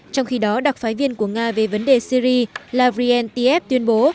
trong khi đó đặc phái viên của nga về vấn đề syri lavrentyev tuyên bố